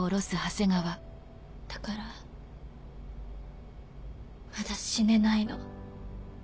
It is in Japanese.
だからまだ死ねないの。